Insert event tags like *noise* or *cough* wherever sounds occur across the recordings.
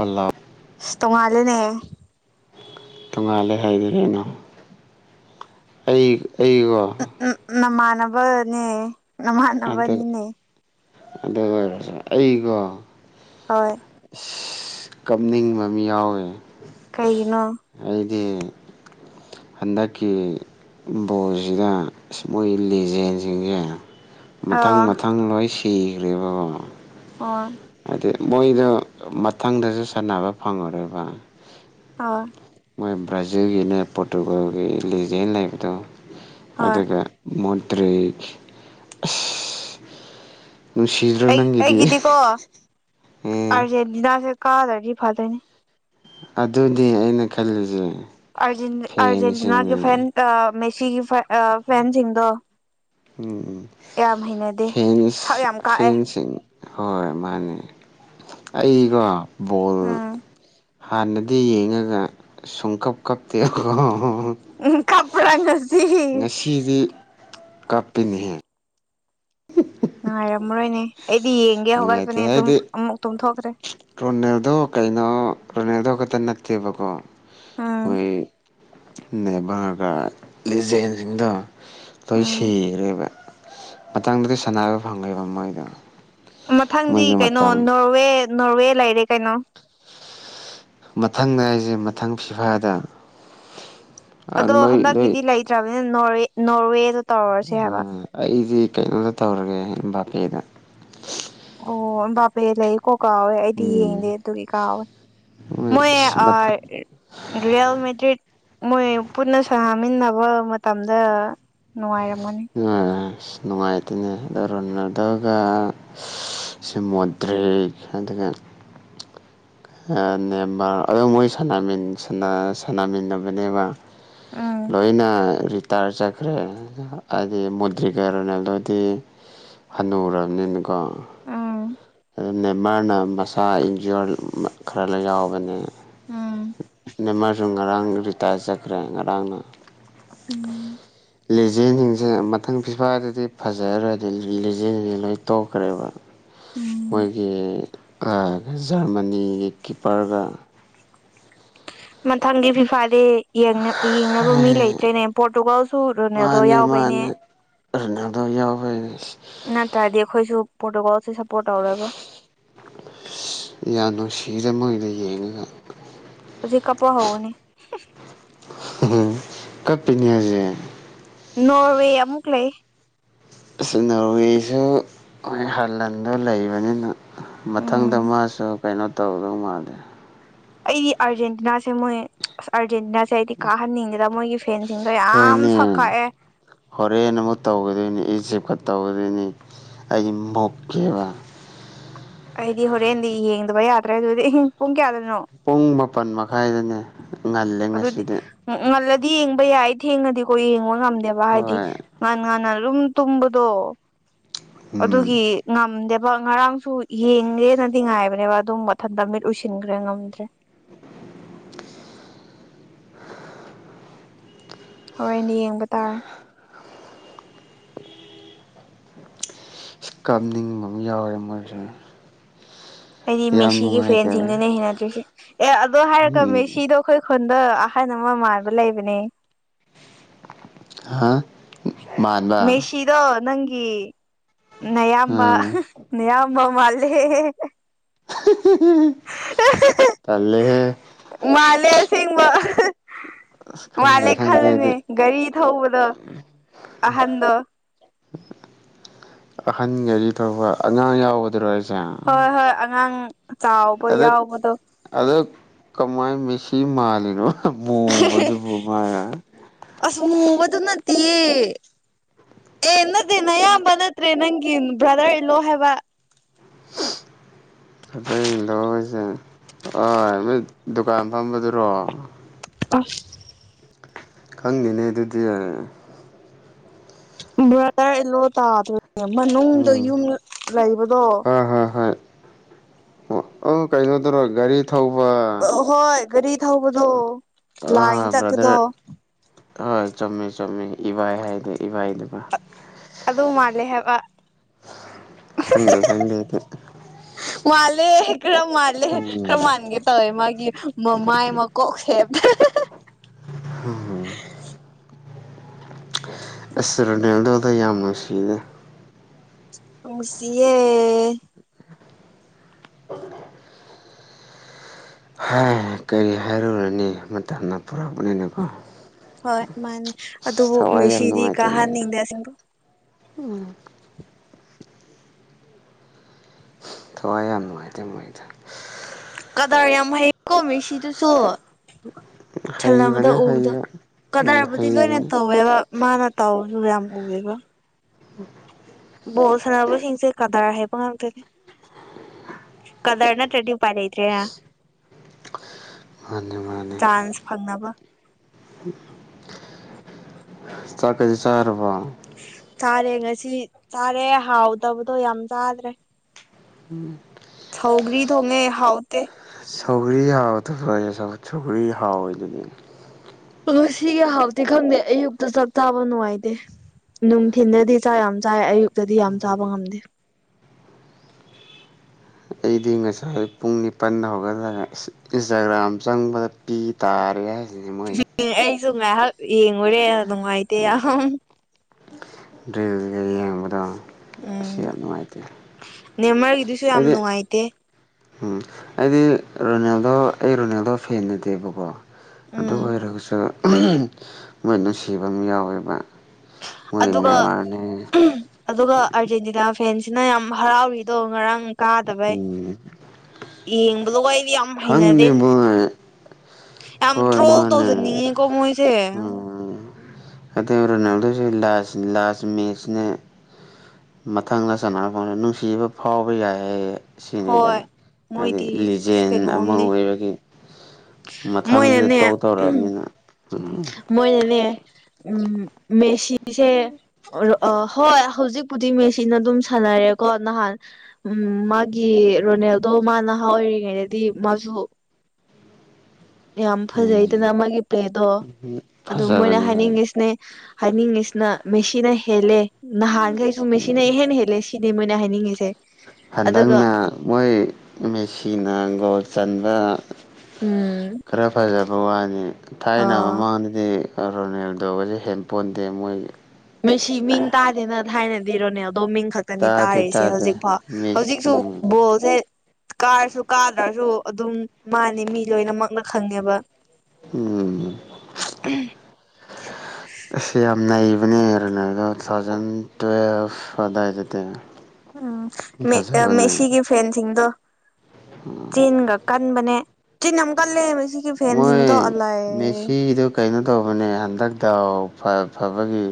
ꯑꯣꯂꯞ ꯇꯣꯡꯉꯂꯦꯅꯦ ꯇꯣꯡꯉꯥꯜꯂꯦ ꯍꯥꯏꯗꯤ ꯀꯩꯅꯣ ꯑꯩ ꯑꯩꯒꯣ ꯎ ꯅꯃꯥꯟꯅꯕꯅꯦ ꯅꯃꯥꯟꯅꯕꯅꯤꯅꯦ ꯑꯗꯨꯒ ꯑꯣꯏꯔꯁꯨ ꯑꯩꯒꯣ ꯍꯣꯏ ꯀꯞꯅꯤꯡꯕ ꯃꯤ ꯌꯥꯎꯋꯤ ꯀꯒꯤꯅꯣ ꯑꯩꯗꯤ ꯍꯟꯗꯛꯀꯤ ꯕꯣꯁꯤꯗ ꯃꯣꯏ ꯂꯤꯖꯦꯟꯁꯤꯡꯁꯦ ꯃꯊꯪ ꯑꯥ ꯃꯊꯪ ꯂꯣꯏ ꯁꯤꯈ꯭ꯔꯦꯕꯀꯣ ꯍ ꯍꯥꯏꯗꯤ ꯃꯣꯏꯗꯣ ꯃꯊꯪꯗꯁꯨ ꯁꯥꯟꯅꯕ ꯐꯪꯉꯕ ꯑꯥ ꯃꯣꯏ ꯕ꯭ꯔꯥꯖꯤꯜꯒꯤꯅꯦ ꯄꯣꯔꯇꯨꯒꯜꯒꯤ ꯂꯤꯖꯦꯟ ꯂꯩꯕꯗꯣ ꯍꯣꯏ ꯑꯗꯨꯒ ꯃꯗ꯭ꯔꯦ ꯑꯩ ꯅꯪꯒꯤꯗꯤ ꯑꯩꯒꯤꯗꯤꯀꯣ ꯎꯝ ꯑꯥꯔꯖꯦꯟꯇꯤꯅꯥꯁꯦ ꯀꯥꯗ꯭ꯔꯗꯤ ꯐꯗꯣꯏꯅꯤ ꯑꯗꯨꯅꯦ ꯑꯩꯅ ꯈꯜꯂꯤꯁꯦ ꯑꯔꯖꯦꯟ ꯑꯔꯖ‌ꯦꯟꯇꯤꯅꯥꯒꯤ ꯐꯦꯟ ꯐꯦꯟꯁꯤꯡꯅ ꯀ ꯃꯦꯁꯤꯒꯤ ꯐꯦꯟ ꯑꯥ ꯐ‌ꯦꯟꯁꯤꯡꯗꯣ ꯎꯝ ꯎꯝ ꯍꯩꯅꯗꯦ ꯐ‌ꯦꯟꯁ ꯁꯛ ꯌꯥꯝ ꯀꯥꯛꯑꯦ ꯐꯦꯟꯁꯤꯡ ꯍꯣꯏ ꯃꯥꯅꯦ ꯑꯩꯒꯣ ꯕꯣꯜ ꯎꯝ ꯍꯥꯟꯅꯗꯤ ꯌꯦꯡꯉꯒ ꯁꯨꯡꯀꯞ ꯀꯞꯇꯦ ꯕꯀ‌ꯣ ꯎꯝ ꯀꯞꯄꯔ ꯅꯁ ꯉꯁꯤꯗꯤ ꯀꯥꯞꯄꯤꯅꯤꯍꯦ ꯅꯨꯡꯉꯥꯏꯔꯝꯃꯔꯣꯏꯅꯦ ꯑꯩꯗꯤ ꯌꯦꯡꯒꯦ ꯍꯧꯒꯠꯄꯅꯦ ꯑꯗꯨꯝ ꯑꯃꯨꯛ ꯇꯨꯝꯊꯣꯛꯈ꯭ꯔꯦ ꯔꯣꯅꯥꯜꯗꯣ ꯀꯩꯅꯣ ꯔꯣꯅꯥꯜꯗꯣ ꯈꯛꯇ ꯅꯠꯇꯦꯕꯀꯣ ꯎꯝ ꯃꯣꯏ ꯅ‌ꯦꯃꯥꯔꯒ ꯂꯤꯖ‌ꯦꯟ ꯁꯤꯡꯗ‌‌ꯣ ꯂꯣꯏ ꯎꯝ ꯁꯤꯒ꯭ꯔꯦꯕ ꯃꯗꯪꯗꯗꯤ ꯁꯥꯟꯅꯕ ꯐꯪꯉ‌ꯣꯏꯕ ꯃꯣꯏꯗꯣ ꯃꯊꯪꯗꯤ ꯃꯣꯏꯒꯤ ꯀꯩꯅꯣ ꯃꯇꯝ ꯅꯣꯔꯋꯦ ꯅꯣꯔꯋꯦ ꯂꯩꯔꯦ ꯀꯩꯅꯣ ꯃꯊꯪꯗ ꯍꯥꯏꯖ‌ꯦ ꯃꯊꯪ ꯐꯤꯐꯥꯗ ꯑꯗꯣ ꯅꯣꯏ ꯂꯣꯏ ꯍꯟꯗꯛꯀꯤꯗꯤ ꯂꯩꯇ꯭ꯔꯕꯅꯤꯅ ꯅ‌ꯣꯔꯋ‌ꯦ ꯅꯣꯔꯋꯦꯗꯣ ꯇꯧꯔꯁꯦ ꯍꯥꯏꯕ ꯎꯝ ꯑꯩꯗꯤ ꯀꯩꯅꯣꯗ ꯇꯧꯔꯒꯦ ꯕꯥꯄꯦꯗ ꯑꯣ ꯕꯥꯄ‌ꯦ ꯂꯩ ꯀꯣ ꯀꯥꯎꯋꯦ ꯑꯩꯗꯤ ꯎꯝ ꯌꯦꯡꯗꯦ ꯑꯗꯨꯒꯤ ꯀꯥꯎꯋꯦ ꯃꯣꯏ ꯑ ꯔꯤꯌꯦꯜ ꯃꯦꯗ꯭ꯔꯤꯠ ꯃꯣꯏ ꯄꯨꯟꯅ ꯁꯥꯟꯅꯃꯤꯟꯅꯕ ꯃꯇꯝꯗ ꯅꯨꯡꯉꯥꯏꯔꯝꯒꯅꯤ ꯅꯨꯡ ꯑꯁ ꯅꯨꯡꯉꯥꯏꯇ‌ꯦꯅꯦ ꯍꯟꯗꯛ ꯔ‌ꯣꯅꯥꯜꯗꯣ ꯒ ꯁꯤꯃꯨꯗ꯭ꯔꯦꯛ ꯍꯥꯏꯗꯨꯒ ꯑ ꯅꯦꯃꯥꯔ ꯑꯗꯨꯝ ꯃꯣꯏ ꯁꯥꯟꯅꯃꯤ ꯁꯥꯟ ꯁꯥꯅꯃꯤꯟ ꯅꯕꯅꯦꯕ ꯎꯝ ꯂꯣꯏꯅ ꯇꯥꯔ ꯆꯠꯈ꯭ꯔꯦ ꯍꯥꯏꯗꯤ ꯃꯨꯗ꯭ꯔꯤꯛꯀ ꯔ‌ꯣꯅꯥꯜꯗ‌ꯣ ꯗꯤ ꯍꯅꯨꯔꯝ ꯅꯤꯅꯀꯣ ꯎꯝ ꯑꯗꯨꯝ ꯅꯦꯝꯃꯥꯔꯅ ꯃꯁꯥ ꯏꯟꯖꯤꯌ‌ꯣꯔ ꯈꯔ ꯂꯩ ꯌꯥꯎꯕꯅꯦ ꯎꯝ ꯅꯦꯝꯃꯔꯥꯁꯨ ꯉꯔꯥꯡ ꯔꯤꯇꯌꯥꯔ ꯆꯠꯈ꯭ꯔꯦ ꯉꯔꯥꯡꯅ ꯎꯝ ꯂꯤꯖꯦꯟꯁꯤꯡꯁꯦ ꯃꯊꯪ ꯐꯤꯐꯥꯗꯗꯤ ꯐꯖꯔꯅꯤ ꯂꯤꯖꯦꯟꯁꯤꯡꯁꯦ ꯂꯣꯏ ꯇꯣꯛꯈ꯭ꯔꯦꯕ ꯎꯝ ꯃꯣꯏꯒꯤ ꯀ ꯖꯔꯃꯅꯤꯒꯤ ꯀꯤꯞꯄꯔꯒ ꯃꯊꯪꯒꯤ ꯐꯤꯐꯥꯗꯤ ꯌꯦꯡꯅ ꯌ‌ꯦꯡꯅꯕ ꯃꯤ ꯂꯩꯇ꯭ꯔꯦꯅꯦ ꯄꯣꯔꯇꯨꯒꯜ ꯁꯨ ꯔ‌ꯣꯅꯥꯜꯗ‌ꯣ ꯌꯥꯎꯕꯩꯅꯦ ꯔꫭꯅꯥꯜꯗꯣ ꯌꯥꯎꯕꯩꯅ‌ꯦ ꯅꯇꯥꯔꯗꯤ ꯑꯩꯈꯣꯏꯁꯨ ꯄ‌ꯣꯔꯇꯨꯒꯜꯁꯤ ꯁꯞꯄꯣꯔꯠ ꯇꯧꯔꯔ‌ꯣꯏ ꯌꯥꯝ ꯅꯨꯡꯁꯤꯌ‌ꯦꯗ ꯃ‌ꯣꯏꯕꯨ ꯌꯦꯡꯉꯒ ꯍꯧꯖꯤ ꯀꯥꯞꯄ ꯍꯧꯕꯅꯦ ꯀꯞ ꯄꯤꯅ‌ꯦ ꯍꯧꯖꯤꯛ ꯅꯣꯔꯋꯦ ꯑꯃꯨꯛ ꯂꯩ ꯑꯁ ꯅ‌ꯣꯔꯋ‌ꯦꯖꯨ ꯃ‌ꯣꯏ ꯍꯂꯥꯟꯗꯣ ꯂꯩꯕꯅꯤꯅ ꯎꯝ ꯃꯊꯪꯗ ꯃꯥꯁꯨ ꯀꯩꯅꯣ ꯇꯧꯗꯧ ꯃꯥꯜꯂꯦ ꯑꯩꯗꯤ ꯑꯥꯔꯖꯦꯟꯇꯤꯅꯥꯁꯦ ꯃꯣꯏ ꯑꯁ ꯑꯥꯔꯖꯦꯟꯇꯤꯅꯥꯁꯦ ꯑꯩꯗꯤ ꯀꯥꯍꯟꯅꯤꯡꯗ‌ꯦꯗ ꯃꯣꯏꯒꯤ ꯐꯦꯟꯁꯤꯡꯗꯣ ꯌꯥꯝ ꯍꯣꯏꯅꯦ ꯁꯛ ꯀꯛꯑꯦ ꯍꯣꯔꯦꯟ ꯑꯃꯨꯛ ꯇꯧꯒꯗꯣꯏꯅꯤ ꯏꯖꯤꯞꯀ ꯇꯧꯒꯗꯣꯏꯅꯤ ꯑꯩ ꯃꯣꯛꯀꯦꯕ ꯑꯩꯗꯤ ꯍꯣꯔꯦꯟꯗꯤ ꯌꯦꯡꯗꯕ ꯌꯥꯗ꯭ꯔꯦ ꯑꯗꯨꯗꯤ ꯑꯍꯤꯡ ꯄꯨꯡ ꯀꯌꯥꯗꯅꯣ ꯄꯨꯡ ꯃꯥꯄꯟ ꯃꯈꯥꯏꯗꯅꯦ ꯉꯜꯂꯦ ꯑꯗꯨꯗꯤ ꯉꯁꯤꯗꯤ ꯉꯜꯂꯗꯤ ꯌꯦꯡꯕ ꯌꯥꯏ ꯊꯦꯡꯉꯗꯤꯀꯣ ꯌꯦꯡꯕ ꯉꯝꯗꯦꯕ ꯍꯥꯏꯗꯤ ꯍꯣꯏ ꯉꯥꯟ ꯉꯥꯟꯅ ꯑꯗꯨꯝ ꯇꯨꯝꯕꯗꯣ ꯎꯝ ꯑꯗꯨꯒꯤ ꯉꯝꯗꯦꯕ ꯉꯔꯥꯡꯁꯨ ꯌꯦꯡꯒꯦꯅꯗꯤ ꯉꯥꯏꯕꯅꯦꯕ ꯑꯗꯨꯝ ꯃꯊꯟꯇ ꯃꯤꯠ ꯎꯏꯁꯤꯟꯒ꯭ꯔꯦ ꯉꯝꯗ꯭ꯔꯦ ꯍ‌ꯣꯔ‌ꯦꯅ ꯗꯤ ꯌꯦꯡꯕ ꯇꯥꯔꯦ ꯀꯥꯞꯅꯤꯡꯕ ꯑꯃ ꯌꯥꯎꯔꯦ ꯃꯣꯏꯁꯦ ꯑꯩꯗꯤ ꯌꯥꯝ ꯃꯦꯁꯤꯒꯤ ꯅꯨꯡꯉꯥꯏꯇꯔꯦ ꯐꯦꯟꯁꯤꯡꯗꯨꯅ‌ꯦ ꯍꯩꯅꯗ꯭ꯔꯤꯁꯦ ꯑꯦ ꯑꯗꯣ ꯍꯥꯏꯔꯛꯀ ꯎꯝ ꯃꯦꯁꯤꯗꯣ ꯑꯩꯈꯣꯏ ꯈꯨꯣꯟꯗ ꯑꯍꯥꯏ ꯅ ꯑꯃ ꯃꯥꯟꯕ ꯂꯩꯕꯅꯦ ꯍꯥ ꯃꯥꯟꯕ ꯐꯤꯗꯣ ꯅꯪꯒꯤ ꯅꯌꯥꯝꯕ ꯎꯝ ꯑꯌꯥꯝꯕ ꯃꯥꯜꯂꯦ *unintelligible* ꯇꯜꯂꯦꯍꯦ ꯃꯥꯜꯂꯦ ꯑꯁꯦꯡꯕ ꯑꯁ ꯈꯪꯗꯦ ꯃꯥꯂꯦ ꯈꯜꯂꯤꯅꯦ ꯈꯪꯗꯦꯗꯤ ꯒꯥꯔꯤ ꯊꯧꯕꯗ ꯑꯍꯟꯗꯣ ꯅꯍꯥꯟꯒꯔꯤ ꯐꯕ ꯑꯉꯥꯡ ꯌꯥꯎꯒꯗ꯭ꯔꯣ ꯍꯥꯏꯁꯦ ꯍꯣꯏ ꯍꯣꯏ ꯑꯉꯥꯡ ꯆꯥꯎꯕ ꯌꯥꯎꯕꯗꯣ ꯑꯗꯣ ꯀꯃꯥꯏ ꯃꯦꯁꯤ ꯃꯥꯜꯂꯤꯅꯣ ꯃꯨꯕꯗꯨꯕꯨ ꯃꯥ ꯑꯁ ꯃꯨꯕꯗꯨ ꯅꯠꯇꯑꯦ ꯑꯦ ꯑꯗꯦ ꯅꯌꯥ ꯂꯇꯦ ꯅꯪꯒꯤ ꯭ꯔꯗꯔ ꯏꯜꯂꯣ ꯍꯥꯏꯕ *inaudible* ꯗꯨꯀꯥꯟ ꯐꯝꯕꯗꯨꯔꯣ ꯑꯐ ꯈꯪꯉꯗꯦꯅꯦ ꯑꯗꯨꯗꯤ ꯕ꯭ꯔꯥꯗꯔ ꯏꯂꯣ ꯇꯥꯗꯅꯦ ꯃꯅꯨꯡꯗ ꯎꯝ ꯌꯨꯝ ꯂꯩꯕꯗꯣ ꯍꯣꯏ ꯍꯣꯏ ꯍꯣꯏ ꯑꯣ ꯑ ꯀꯩꯅꯣꯗꯨꯔꯣ ꯒꯥꯔꯤ ꯊꯧꯕ ꯑꯍꯣꯏ ꯒꯥꯔꯤ ꯊꯧꯕꯗꯣ ꯂꯥꯏꯟ ꯑꯥ ꯆꯠꯄꯗꯣ ꯕ꯭ꯔꯗꯔ ꯍꯣꯏ ꯆꯨꯝꯃꯦ ꯆꯨꯝꯃꯦ ꯏꯕꯥꯏ ꯍꯥꯏꯗꯤ ꯏꯕꯥꯏꯗꯨꯒ ꯑꯗꯨ ꯃꯥꯂꯦ ꯍꯥꯏꯕ ꯈꯪꯗꯦ ꯈꯪꯗꯦꯗꯤ ꯃꯥꯂꯦ ꯏꯔ ꯃꯥꯂꯦꯔ ꯎꯝ ꯃꯥꯟꯒꯦ ꯇꯧꯋꯦ ꯃꯥꯒꯤ ꯃꯃꯥꯏ ꯃꯀꯣꯛꯁꯦ ꯍꯝ ꯍꯝ ꯑꯦꯁꯔꯦꯟꯅꯦꯜꯗꯗ ꯌꯥꯝ ꯃꯁꯤꯍꯤꯗ ꯅꯨꯡꯁꯤꯌꯦ ꯍꯥꯏ ꯀꯔꯤ ꯍꯥꯏꯔꯨꯔꯅꯤ ꯃꯇꯝꯅ ꯄꯨꯔꯛꯄꯅꯤꯅꯀꯣ ꯍꯣꯏ ꯃꯥꯅꯤ ꯑꯁ ꯑꯗꯨꯕꯨ ꯊꯋꯥꯏ ꯃꯦꯁꯤꯗꯤ ꯀꯥꯍꯟꯅꯤꯡꯗꯦꯁꯤꯡꯕ ꯎꯝ ꯊꯋꯥꯏ ꯌꯥꯝ ꯅꯨꯡꯉꯥꯏꯇꯦ ꯅꯨꯡꯉꯥꯏ ꯊꯦ ꯀꯗꯥꯔ ꯌꯥꯝ ꯍꯩꯀꯣ ꯃꯦꯁꯤꯗꯨꯁꯨ ꯊꯜꯅꯕꯗ ꯍꯩꯕꯅꯦ ꯎꯕꯗ ꯍꯩꯕ ꯎꯝ ꯀꯗꯥꯏꯕꯨꯗꯤ ꯂꯣꯏꯅ ꯍꯩꯕꯅꯦ ꯇꯧꯋꯦꯕ ꯃꯥꯅ ꯇꯥꯎꯁꯨ ꯌꯥꯝꯝ ꯀꯋꯦꯒ ꯎꯝ *inaudible* ꯕꯣꯜ ꯁꯅꯕꯁꯤꯡꯁꯦ ꯀꯗꯥꯔ ꯍꯩꯄꯥ ꯉꯥꯛꯇꯅꯤ ꯀꯗꯔ ꯅꯠꯇ꯭ꯔꯗꯤ ꯎꯄꯥꯏ ꯂꯩꯇ꯭ꯔꯦ ꯍ ꯃꯥꯅꯦ ꯃꯥꯅꯦ ꯆꯥꯟꯁ ꯐꯪꯅꯕ ꯆꯀꯗꯤ ꯆꯔꯄꯥ ꯆꯥꯔꯦ ꯉꯁꯤ ꯆꯥꯔꯦ ꯍꯥꯎꯗꯕꯗꯣ ꯌꯥꯝ ꯆꯥꯗ꯭ꯔꯦ ꯎꯝ ꯊꯧꯒꯔꯤ ꯊꯧꯉꯦ ꯍꯥꯎꯇ ꯁꯧꯒꯔꯤ ꯍꯥꯎ ꯇ ꯁꯧꯔꯤ ꯍꯥꯎꯋꯗꯤ ꯑꯣ ꯁꯤꯒꯤ ꯍꯥꯎꯇꯤ ꯈꯪꯗꯦ ꯑꯌꯨꯛꯇ ꯆꯥꯛꯇꯥꯥꯕ ꯅꯨꯡꯉꯥꯏꯇꯦ ꯅꯨꯡꯊꯤꯟꯗꯗꯤ ꯆꯥꯛ ꯌꯥꯝ ꯆꯥꯏ ꯑꯌꯨꯛꯇꯗꯤ ꯌꯥꯝ ꯆꯥꯕ ꯉꯝꯗꯦ ꯑꯩꯗꯤ ꯉꯁꯥꯏ ꯄꯨꯡ ꯅꯤꯄꯜꯗ ꯍꯧꯒꯠꯂꯒ ꯏꯟꯁꯇꯥꯒ꯭ꯔꯥꯝ ꯆꯪꯕꯗ ꯄꯤ ꯇꯥꯔꯦ ꯍꯥꯏꯦ ꯔꯤꯃꯩ ꯎꯝ ꯑꯩꯁꯨ ꯉꯥꯏꯍꯥꯛ ꯌꯦꯡꯉꯨꯔꯦ ꯅꯨꯡꯉꯥꯏꯇꯦ ꯌꯥꯝ ꯗ꯭ꯔꯤꯜꯁꯤꯒ ꯌꯦꯡꯕꯗꯣ ꯑꯁꯤ ꯌꯥꯝ ꯅꯨꯡꯉꯥꯏꯇꯦ ꯅꯦꯝꯃꯔꯒꯤꯗꯨꯁꯨ ꯌꯥꯝ ꯑꯩꯗꯤ ꯅꯨꯡꯉꯥꯏꯇꯦ ꯎꯝ ꯑꯩꯗꯤ ꯔꯣꯅꯦꯜꯗꯣ ꯑꯩ ꯔꯣꯅꯦꯜꯗꯣ ꯐꯦꯟ ꯅꯠꯇꯦꯕꯀꯣ ꯑꯗꯨ ꯎꯝ ꯑꯣꯏꯔꯒꯁꯨ ꯃꯣꯏ ꯅꯨꯡꯁꯤꯕ ꯑꯃ ꯌꯥꯎꯋꯦꯕ ꯃꯣꯏ ꯑꯗꯨꯒ ꯅꯦꯃꯥꯔꯅꯦ ꯑꯗꯨꯒ ꯑꯥꯔꯖꯦꯟꯇꯤꯅꯥ ꯐꯦꯟꯁꯤꯅ ꯌꯥꯝ ꯍꯔꯥꯎꯔꯤꯗꯣ ꯉꯔꯥꯡ ꯀꯥꯗꯚꯥꯏ ꯎꯝ ꯌꯦꯡꯕꯗꯣ ꯑꯩꯗꯤ ꯌꯥꯝ ꯈꯪꯗꯦ ꯍꯩꯅꯗꯦ ꯃꯣꯏ ꯌꯥꯝ ꯍꯣꯏ ꯊ꯭ꯔꯣꯟ ꯃꯥꯅꯦ ꯇꯧꯖꯟꯅꯤꯡꯉꯦ ꯀꯣ ꯃꯣꯏꯁꯦ ꯅꯠꯇꯦ ꯔꯣꯅꯥꯜꯗꯣꯁꯤ ꯂꯥꯁ ꯂꯥꯁ ꯃꯦꯁꯅꯦ ꯃꯊꯪꯗ ꯆꯥꯟꯅꯕ ꯐꯪꯉꯔꯣꯢ ꯅꯨꯡꯁꯤꯕ ꯐꯥꯎꯕ ꯌꯥꯏꯌꯦ ꯁꯤꯅꯤꯗ ꯍꯣꯏ ꯍꯥꯏꯗꯤ ꯃꯣꯏꯗꯤ ꯑꯁ ꯂꯤꯖꯦꯟ ꯑꯃ ꯀꯩꯅꯣꯝꯅꯤ ꯑꯣꯏꯔꯗꯤ ꯃꯊꯪꯗꯨꯗꯤ ꯇꯣꯛ ꯃꯣꯏꯅꯅꯦ ꯇꯣꯛꯇꯧꯔꯝꯅꯤꯅ ꯃꯣꯏꯅꯅꯦ ꯎꯝ ꯃꯦꯁꯤꯁꯦ ꯍꯣꯏ ꯍꯧꯖꯤꯛꯄꯨꯗꯤ ꯃꯦꯁꯤꯅ ꯑꯗꯨꯝ ꯁꯥꯟꯅꯔꯦꯀꯣ ꯅꯍꯥꯟ ꯎꯝ ꯃꯥꯒꯤ ꯔꯣꯅꯦꯜꯗꯣ ꯃꯥ ꯅꯍꯥ ꯑꯣꯏꯔꯤꯉꯩꯗꯗꯤ ꯃꯥꯁꯨ ꯌꯥꯝ ꯐꯖꯩꯗꯅ ꯎꯝ ꯑꯃꯒꯤ ꯄ꯭ꯂꯦꯗꯣ ꯑꯗꯨ ꯃꯣꯏꯅ ꯐꯖꯕꯅꯦ ꯍꯥꯏꯅꯤꯡꯉꯤꯁꯦ ꯍꯥꯏꯅꯤꯡꯉꯤꯁꯤꯅ ꯃꯦꯁꯤꯅ ꯍꯦꯜꯂꯦ ꯅꯍꯥꯟꯈꯩꯁꯨ ꯃꯦꯁꯤꯅ ꯏꯍꯦꯟ ꯍꯦꯜꯂꯦ ꯁꯤ ꯁꯤꯅꯦ ꯃꯣꯢꯅ ꯍꯥꯏꯅꯤꯡꯉꯤꯁꯦ ꯑꯗꯨꯒ ꯍꯟꯗꯛꯅ ꯃꯣꯏ ꯃꯦꯁꯤꯅ ꯒꯣꯜ ꯆꯟꯕ ꯎꯝ ꯈꯔ ꯐꯖꯕ ꯋꯥꯅꯤ ꯊꯥꯏꯅ ꯑ ꯃꯥꯡꯗꯗꯤ ꯔꯣꯅꯦꯜꯗꯣꯒꯁꯦ ꯍꯦꯟꯄꯣꯟꯗꯦ ꯃꯣꯏ ꯃꯁꯤ ꯃꯤꯡ ꯇꯥꯗꯦꯅ ꯊꯥꯏꯅꯗꯤ ꯔꯣꯅꯦꯜꯗꯣ ꯃꯤꯡ ꯈꯛ ꯅꯤ ꯇꯥꯗꯦ ꯇꯥꯔꯤꯁꯦ ꯍꯧꯖꯤꯛ ꯇꯥꯗꯦ ꯐꯥꯎ ꯃꯤ ꯍꯧꯖꯤꯛꯁꯨ ꯎꯝ ꯕꯣꯜꯁꯦ ꯀꯥꯔꯁꯨ ꯀꯥꯗ꯭ꯔꯁꯨ ꯑꯗꯨꯝ ꯃꯥꯅꯤ ꯃꯤ ꯂꯣꯏꯅꯃꯛꯅ ꯈꯪꯉꯦꯕ ꯎꯝ ꯑꯁ ꯌꯥꯝ ꯅꯩꯕꯅꯦ ꯔꯣꯅꯥꯜꯗꯣ ꯇꯨ ꯊꯥꯎꯖꯟ ꯇꯨꯋꯦꯜꯐ ꯑꯗꯨꯋꯥꯏꯗꯗꯤ ꯎꯝ ꯃꯦꯁꯤꯒꯤ ꯐꯦꯟꯁꯤꯡꯗꯣ ꯆꯤꯟꯒ ꯀꯟꯕꯅꯦ ꯆꯤꯟ ꯌꯥꯝ ꯀꯜꯂꯦ ꯁꯤꯒꯤ ꯐꯦꯟꯁꯤꯡꯗꯣ ꯃꯣꯏ ꯑꯜꯂꯥꯢꯌꯦ ꯃꯦꯁꯤꯗꯣ ꯀꯩꯅꯣ ꯇꯧꯕꯅꯦ ꯍꯟꯗꯛꯇ ꯐꯕꯒꯤ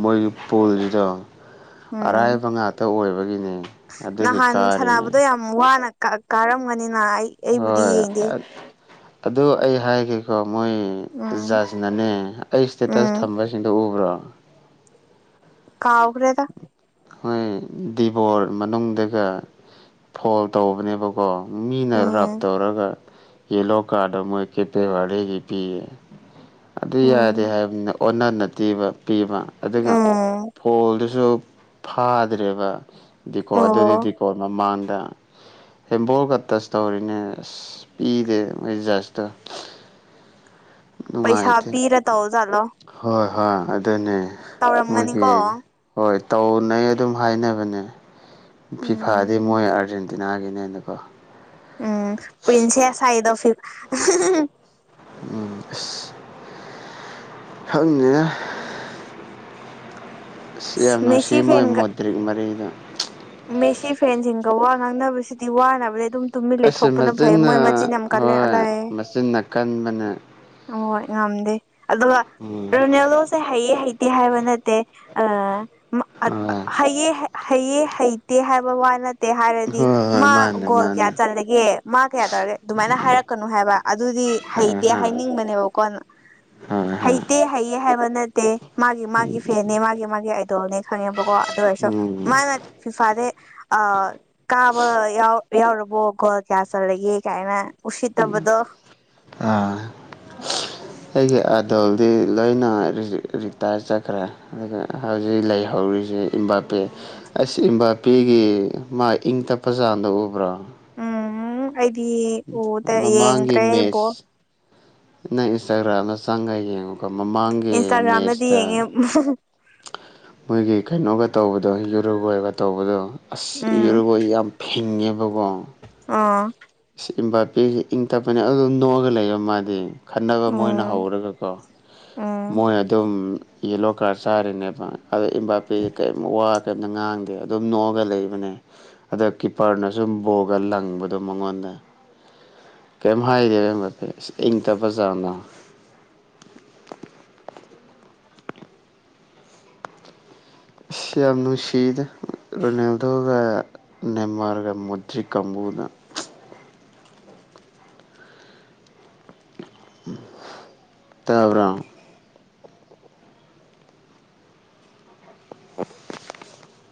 ꯃꯣꯏꯒꯤ ꯄꯣꯜꯁꯤꯗꯣ ꯎꯝ ꯑꯔꯥꯏꯕ ꯉꯥꯛꯇ ꯑꯣꯏꯕꯒꯤꯅꯦ ꯑꯗꯨꯒꯤ ꯀꯥꯔꯤꯅꯦ ꯎꯝ ꯋꯥꯅ ꯀꯥꯔꯝꯒꯅꯤꯅ ꯑꯩ ꯑꯩꯕꯨꯗꯤ ꯍꯣꯏ ꯌꯦꯡꯗꯦ ꯑꯗꯨ ꯑꯩ ꯍꯥꯏꯒꯦꯀꯣ ꯃꯣꯏ ꯎꯝ ꯖꯁꯅꯅꯦ ꯑꯩ ꯏꯁꯇꯦꯇꯁ ꯎꯝ ꯊꯝꯕꯁꯤꯡꯗꯣ ꯎꯕ꯭ꯔꯣ ꯀꯥꯎꯈ꯭ꯔꯦꯗ ꯍꯣꯏ ꯗꯤꯕꯣꯠ ꯃꯅꯨꯡꯗꯒ ꯐꯣꯜ ꯇꯧꯕꯅꯦꯕꯀꯣ ꯃꯤꯅ ꯔꯞ ꯎꯝ ꯇꯧꯔꯒ ꯌꯦꯂꯣ ꯀꯥꯔꯗ ꯃꯣꯏ ꯀꯦꯄꯦꯋꯥꯒꯤ ꯄꯤꯌꯦ ꯑꯗꯨ ꯌꯥꯗꯦ ꯎꯝ ꯍꯥꯏꯕꯅꯤꯅ ꯑꯣꯟꯅꯟꯅ ꯇꯤꯕ ꯄꯤꯕ ꯑꯗꯨꯒ ꯎꯝ ꯐꯣꯜꯗꯨ ꯁꯨ ꯐꯥꯗ꯭ꯔꯦꯕ ꯗꯤꯀꯣ ꯑꯗꯨꯗꯤ ꯑꯣ ꯗꯤꯀꯣ ꯃꯃꯥꯡꯗ ꯍꯦꯝꯕꯜꯒ ꯇꯁ ꯇꯧꯔꯤꯅꯦ ꯑꯁ ꯄꯤꯗꯦ ꯃꯣꯏ ꯖꯁꯇꯣ *inaudible* ꯄꯩꯁꯥ ꯅꯨꯡꯉꯥꯏꯇꯦ ꯄꯤꯔ ꯇꯧꯖꯥꯠꯂꯣ ꯍꯣꯏ ꯍꯣꯏ ꯑꯗꯨꯅꯦ ꯃꯣꯏꯒꯤ ꯇꯧꯔꯝꯒꯅꯤꯀꯣ ꯍꯣꯏ ꯇꯧꯅꯩ ꯑꯗꯨꯝ ꯍꯥꯏꯅꯕꯅꯦ ꯐꯤꯐꯥꯗꯤ ꯎꯝ ꯃꯣꯏ ꯑꯥꯔꯖꯦꯟꯇꯤꯅꯥꯒꯤꯅꯦꯅꯀꯣ ꯎꯝ ꯄꯔꯤꯟꯁꯦꯁ ꯍꯥꯢꯗꯤ ꯐꯤꯐꯥ ꯎꯝ ꯑꯁ ꯈꯪꯗꯦꯗ ꯌꯥꯝ ꯅꯨꯡꯁꯤ ꯃꯦꯁꯤ ꯃꯣꯏ ꯐꯦꯟꯒ ꯃꯣꯗ꯭ꯔꯤ ꯃꯔꯤꯗꯣ ꯃꯦꯁꯤ ꯐ꯭ꯔꯦꯟꯁꯤꯡꯒ ꯋꯥ ꯉꯥꯡꯅꯕꯁꯤꯗꯤ ꯋꯥꯅꯕꯅꯤ ꯑꯗꯨꯝ ꯇꯨꯝꯃꯤꯟ ꯑꯁ ꯂꯩꯊꯣꯛꯄꯅ ꯐꯩꯌꯦ ꯃꯣꯏ ꯃꯆꯤꯟ ꯌꯥꯝ ꯀꯜꯂꯦ ꯑꯂꯥꯏꯑꯦ ꯆꯤꯟꯅ ꯀꯟꯕꯅ ꯍꯣꯏ ꯉꯝꯗꯦ ꯑꯗꯨꯒ ꯎꯝ ꯔꯣꯅꯥꯜꯗꯣ ꯍꯩꯌꯦ ꯍꯩꯇꯦ ꯍꯥꯏꯕ ꯅꯠꯇꯦ ꯑ ꯍꯣꯏ ꯍꯩꯌꯦ ꯍꯩꯌꯦ ꯍꯩꯇꯦ ꯍꯥꯏꯕ ꯋꯥ ꯅꯠꯇꯦ ꯍꯣꯏ ꯍꯥꯏꯔꯗꯤ ꯍꯣꯏ ꯃꯥ ꯃꯥꯅꯦ ꯒꯣꯜ ꯀꯌꯥ ꯃꯥꯅꯦ ꯆꯜꯂꯒꯦ ꯃꯥ ꯀꯌꯥ ꯇꯧꯔꯒꯦ ꯑꯗꯨꯃꯥꯏꯅ ꯍꯥꯏꯔꯛꯀꯅꯨ ꯍꯥꯏꯕ ꯑꯗꯨꯗꯤ ꯍꯣꯏ ꯍꯩꯇꯦ ꯍꯥ ꯍꯥꯏꯅꯤꯡꯕꯅꯦꯕꯀꯣꯅ *unintelligible* ꯍꯩꯇꯦ ꯍꯩꯌꯦ ꯍꯥꯏꯕ ꯅꯠꯇꯦ ꯃꯥꯒꯤ ꯃꯥꯒꯤ ꯐꯦꯅꯤ ꯃꯥꯒꯤ ꯃꯥꯒꯤ ꯑꯥꯏꯗꯣꯜꯅꯦ ꯈꯪꯉꯦꯕꯀꯣ ꯑꯗꯨ ꯑꯣꯏꯔꯁꯨ ꯎꯝ ꯃꯥꯅ ꯐꯤꯐꯥꯗꯦ ꯑ ꯀꯥꯕ ꯌꯥꯎ ꯌꯥꯎꯔꯕꯣ ꯒꯣꯜ ꯀꯌꯥ ꯆꯜꯂꯒꯦ ꯀꯥꯏꯅ ꯃꯥꯅ ꯎꯝ ꯑꯥ ꯑꯩꯒꯤ ꯑꯥꯏꯗꫭꯜꯗꯤ ꯂꯣꯏꯅ ꯔꯤꯇꯥꯔ ꯆꯠꯈ꯭ꯔꯦ ꯑꯗꯨꯒ ꯍꯧꯖꯤꯛ ꯂꯩꯍꯧꯔꯤꯁꯦ ꯏꯝꯕꯥꯄꯦ ꯑꯁ ꯏꯝꯕꯥꯄꯦꯒꯤ ꯃꯥꯏ ꯏꯪ ꯇꯞꯄ ꯆꯥꯡꯗꫭ ꯎꯕ꯭ꯔꫭ ꯎꯝ ꯑꯩꯗꯤ ꯎꯗꯦ ꯃꯃꯥꯡꯒꯤ ꯌꯦꯡꯗ꯭ꯔꯦ ꯑꯩ ꯕꯣꯜ ꯃꯦꯠꯆ ꯅꯪ ꯏꯟꯁꯇꯥꯒ꯭ꯔꯥꯝꯗꫭ ꯆꯪꯉꯥ ꯌꯦꯡꯉꯨꯀꫭ ꯃꯃꯥꯡꯒꯤ ꯏꯟꯁꯇꯥꯒ꯭ꯔꯥꯝꯗꯗꯤ ꯃꯦꯁꯇ *unintelligible* ꯃꯣꯏꯒꯤ ꯀꯩꯅꯣꯒ ꯇꯧꯕꯗꯣ ꯌꯨꯔꯨꯒꫭꯏꯒ ꯇꯧꯕꯗꯣ ꯑꯁ ꯌꯨꯔꯨꯒꫭꯏ ꯌꯥꯝ ꯐꯤꯡꯉꯦꯕꯀꯣ ꯑꯥ ꯁꯤ ꯏꯝꯕꯥꯄꯤꯁꯦ ꯏꯪ ꯇꯞꯄꯅꯦ ꯑꯗꯨ ꯅꯣꯛꯑꯒ ꯂꯩꯕ ꯃꯥꯗꯤ ꯈꯟꯅꯕ ꯃꯣꯏꯅ ꯎꯝ ꯍꯧꯔꯒꯀꯣ ꯎꯝ ꯃꯣꯏ ꯑꯗꯨꯝ ꯌꯦꯂꯣ ꯀꯥꯔ ꯆꯥꯔꯤꯅꯦꯕ ꯑꯗꯩꯏ ꯏꯝꯕꯥꯄꯦ ꯀꯔꯤꯃ ꯋꯥ ꯀꯩꯝꯇ ꯉꯥꯡꯗꯦ ꯑꯗꯨꯝ ꯅꯣꯛꯑꯒ ꯂꯩꯕꯅꯦ ꯑꯗ ꯀꯤꯞꯄꯔꯅ ꯁꯨꯝ ꯕꯣꯒ ꯂꯪꯕꯗꯣ ꯃꯉꯣꯟꯗ *unintelligible* ꯀꯩꯝ ꯍꯥꯏꯗꯦꯗ ꯏꯝꯕꯥꯄꯦ ꯏꯁ ꯏꯪ ꯇꯞꯄ ꯖꯥꯠꯇꫭ ꯑꯁ ꯌꯥꯝ ꯅꯨꯡꯁꯤꯗꯦ ꯔꯣꯅꯥꯜꯗꯣꯒ ꯅꯦꯃꯔꯒ ꯃꯗꯔꯤ ꯀꯝꯕꯨꯅ ꯇꯥꯕ꯭ꯔꯣ *inaudible*